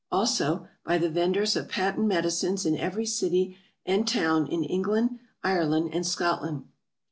Also, by the Venders of Patent Medicines in every City and Town, in England, Ireland and Scotland.